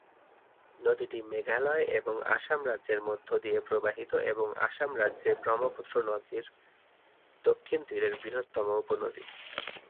নদীটি মেঘালয় এবং আসাম রাজ্যের মধ্যে দিয়ে প্রবাহিত এবং আসাম রাজ্যে ব্রহ্মপুত্র নদের দক্ষিণ তীরের বৃহত্তম উপনদী।